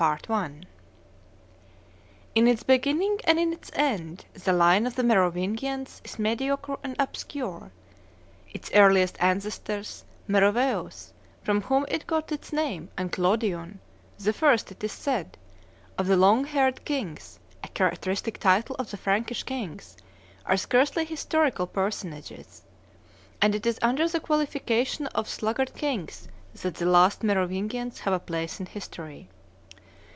[Illustration: The Sluggard King Journeying 156] In its beginning and in its end the line of the Merovingians is mediocre and obscure. Its earliest ancestors, Meroveus, from whom it got its name, and Clodion, the first, it is said, of the long haired kings, a characteristic title of the Frankish kings, are scarcely historical personages; and it is under the qualification of sluggard kings that the last Merovingians have a place in history.